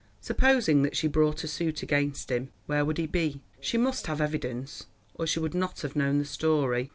Supposing that she brought a suit against him where would he be? She must have evidence, or she would not have known the story.